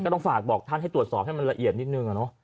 ต้องฝากบอกท่านให้ตรวจสอบให้มันละเอียดนิดนึง